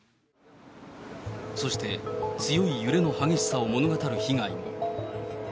そして強い揺れの激しさを物語る被害も。